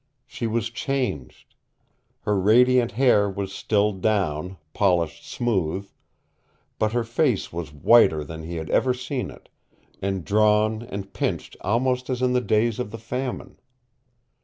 She was changed. Her radiant hair was still down, polished smooth; but her face was whiter than he had ever seen it, and drawn and pinched almost as in the days of the famine.